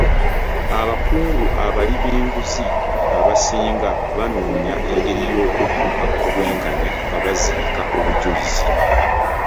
Abakungu abali b'enguzi abasinga banoonya engeri y'okudduka obwenkanya nga baziika obujulizi.